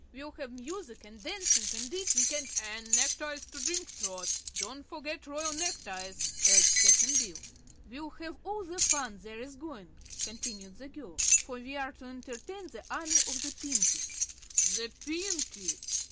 We'll have music and dancing and eating and " "An' neckties to drink, Trot; don't forget the royal neckties," urged Cap'n Bill. "We'll have all the fun there is going," continued the girl, "for we are to entertain the Army of the Pinkies." "The Pinkies!"